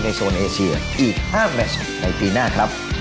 และมีโซนเอเชียร์อีก๕แบบสองในปีหน้าครับ